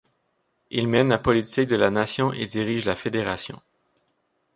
Il mène la politique de la nation et dirige la fédération.